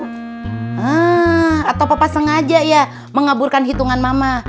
hmm atau papa sengaja ya mengaburkan hitungan mama